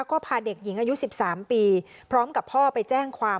ก็พาเด็กหญิงอายุ๑๓ปีพร้อมกับพ่อไปแจ้งความ